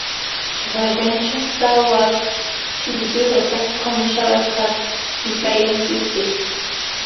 The VentureStar was to be the first commercial aircraft to fly into space.